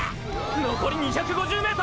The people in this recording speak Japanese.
のこり２５０ｍ！！